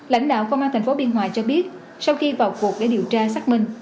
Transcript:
lãnh đạo công an tp biên hòa cho biết sau khi vào cuộc để điều tra xác minh